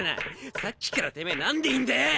さっきからてめ何でいんだよ！